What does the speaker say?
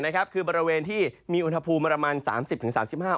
นะครับคือบริเวณที่มีอุณหภูมิประมาณสามสิบถึงสามสิบห้า